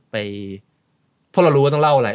เพราะเรารู้ว่าต้องเล่าอะไร